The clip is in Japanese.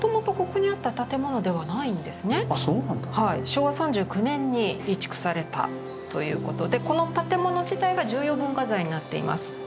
昭和３９年に移築されたということでこの建物自体が重要文化財になっています。